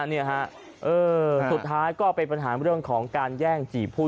นี่ฮะสุดท้ายก็เป็นปัญหาเรื่องของการแย่งจีบผู้